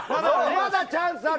まだチャンスある。